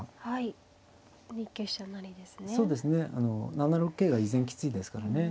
７六桂が依然きついですからね。